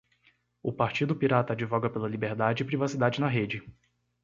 O Partido Pirata advoga pela liberdade e privacidade na rede